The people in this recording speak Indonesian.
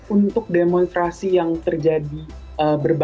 untuk demonstrasi yang terjadi berbeda